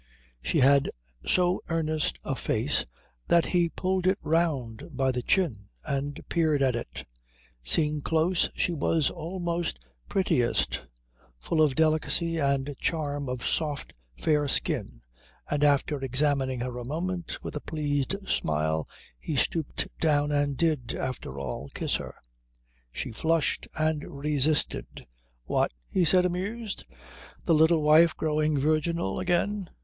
She had so earnest a face that he pulled it round by the chin and peered at it. Seen close she was always prettiest, full of delicacy and charm of soft fair skin, and after examining her a moment with a pleased smile he stooped down and did, after all, kiss her. She flushed and resisted. "What?" he said, amused. "The little wife growing virginal again?"